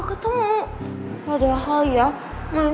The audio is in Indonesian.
bisa di mana aja dia kasih instagram